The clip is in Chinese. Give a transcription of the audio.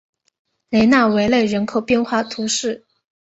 雷讷维勒人口变化图示